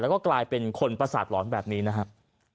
แล้วก็กลายเป็นคนประสาทหลอนแบบนี้นะครับ